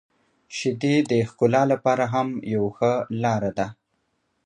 • شیدې د ښکلا لپاره هم یو ښه لاره ده.